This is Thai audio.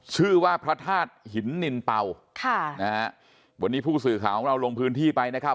ชื่อว่าพระธาตุหินนินเป่าค่ะนะฮะวันนี้ผู้สื่อข่าวของเราลงพื้นที่ไปนะครับ